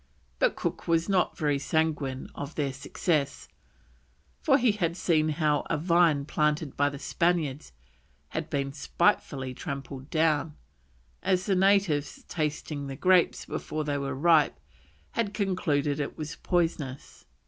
but Cook was not very sanguine of their success, for he had seen how a vine planted by the Spaniards had been spitefully trampled down, as the natives, tasting the grapes before they were ripe, had concluded it was poisonous.